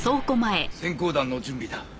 閃光弾の準備だ。